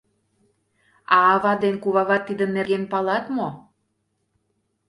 — А ават ден кувават тидын нерген палат мо?